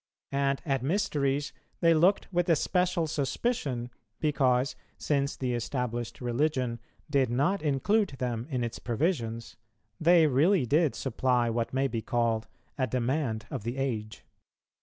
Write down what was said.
And at mysteries they looked with especial suspicion, because, since the established religion did not include them in its provisions, they really did supply what may be called a demand of the age.